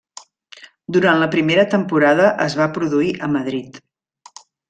Durant la primera temporada es va produir a Madrid.